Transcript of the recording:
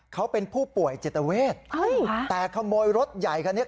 เขาเป็นผู้ป่วยจิตเวทแต่ขโมยรถใหญ่คันนี้